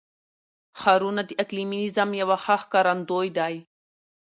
ښارونه د اقلیمي نظام یو ښه ښکارندوی دی.